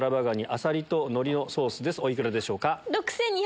お幾らでしょうか？